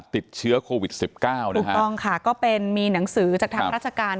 ติดเชื้อโควิดสิบเก้านะฮะถูกต้องค่ะก็เป็นมีหนังสือจากทางราชการ